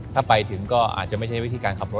ถ้าไปถึงก็อาจจะไม่ใช่วิธีการขับรถ